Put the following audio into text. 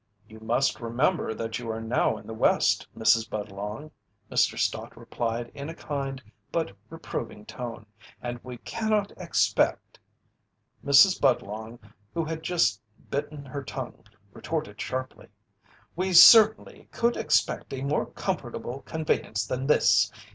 "You must remember that you are now in the West, Mrs. Budlong," Mr. Stott replied in a kind but reproving tone, "and we cannot expect " Mrs. Budlong, who had just bitten her tongue, retorted sharply: "We certainly could expect a more comfortable conveyance than this.